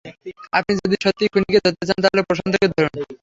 আপনি যদি সত্যিই খুনিকে ধরতে চান, তাহলে প্রশান্তকে ধরুন।